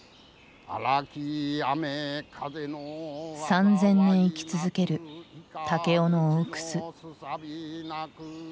３，０００年生き続ける武雄の大楠。